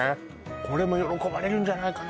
これも喜ばれるんじゃないかな